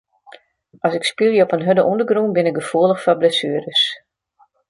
As ik spylje op in hurde ûndergrûn bin ik gefoelich foar blessueres.